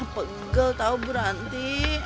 pegel tau bu ranti